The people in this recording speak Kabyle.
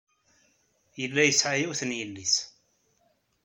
Yella yesɛa yiwen n yelli-s.